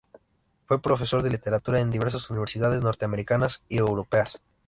Fue profesor de literatura en diversas universidades norteamericanas y europeas.